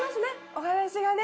お話がね